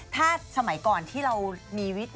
ถ้าสมัยก่อนที่เรามีวิทย์